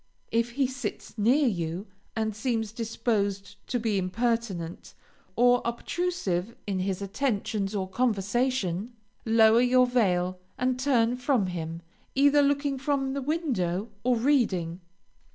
If he sits near you and seems disposed to be impertinent, or obtrusive in his attentions or conversation, lower your veil and turn from him, either looking from the window or reading.